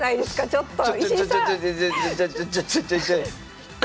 ちょっと！